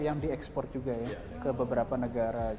yang diekspor juga ya ke beberapa negara